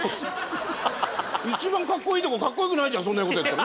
一番かっこいいとこかっこよくないじゃんそんな事やったら。